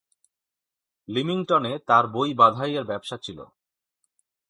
লিমিংটনে তার বই বাঁধাইয়ের ব্যবসা ছিল।